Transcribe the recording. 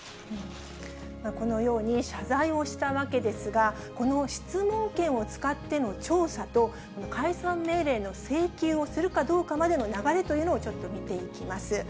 このように謝罪をしたわけですが、この質問権を使っての調査と、解散命令の請求をするかどうかまでの流れというのをちょっと見ていきます。